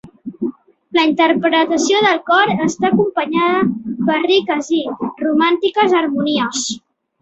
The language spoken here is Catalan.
La interpretació del cor està acompanyada per riques i romàntiques harmonies.